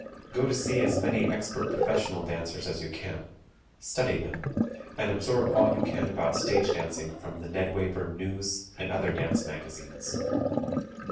Go to see as many expert professional dancers as you can study them and absorb all you can about stage dancing from the "Ned Wayburn News" and other dance magazines.